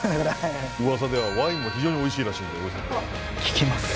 うわさではワインも非常においしいらしいので。